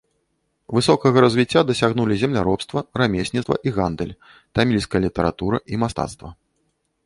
Высокага развіцця дасягнулі земляробства, рамесніцтва і гандаль, тамільская літаратура і мастацтва.